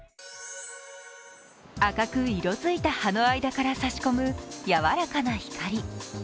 赤く色づいた葉の間から差し込むやわらかな光。